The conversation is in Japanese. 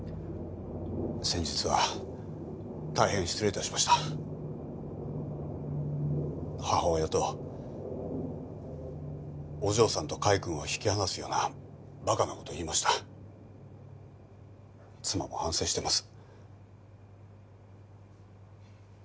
先日は大変失礼いたしました母親とお嬢さんと海くんを引き離すようなバカなことを言いました妻も反省してます